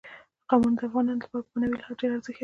قومونه د افغانانو لپاره په معنوي لحاظ ډېر زیات ارزښت لري.